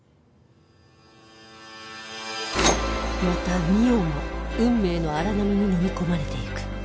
また望緒も運命の荒波にのみ込まれていく